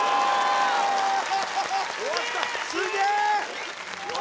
すげえ！